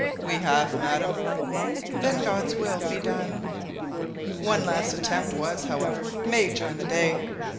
"We have, madam." "Then God's will be done!" One last attempt was, however, made during the day.